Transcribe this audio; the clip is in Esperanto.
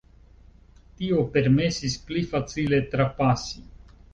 Tio permesis pli facile trapasi.